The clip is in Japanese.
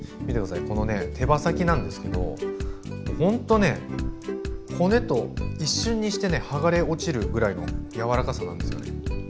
見て下さいこのね手羽先なんですけどほんとね骨と一瞬にしてねはがれ落ちるぐらいの柔らかさなんですよね。